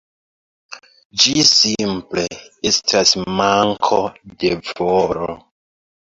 Ĝi simple estas manko de volo.